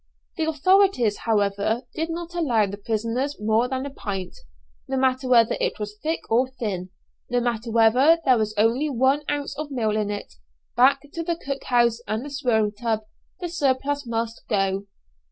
The authorities, however, did not allow the prisoners more than a pint: no matter whether it was thick or thin, no matter whether there was only one ounce of meal in it, back to the cook house and the swill tub the surplus must go.